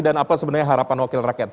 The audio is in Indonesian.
dan apa sebenarnya harapan wakil rakyat